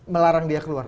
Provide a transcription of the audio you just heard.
melarang dia keluar